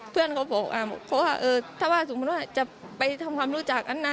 เพื่อนเขาบอกถ้าว่าสมมติว่าจะไปทำความรู้จักอ่ะนะ